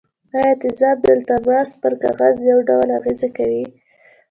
آیا تیزابونه د لتمس پر کاغذ یو ډول اغیزه کوي؟